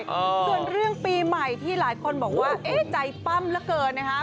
ส่วนเรื่องปีใหม่ที่หลายคนบอกว่าเอ๊ะใจปั้มเหลือเกินนะคะ